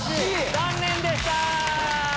残念でした！